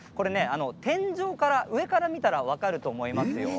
天井から、上から見たら分かると思いますよ。